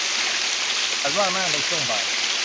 ฉันว่างมากในช่วงบ่าย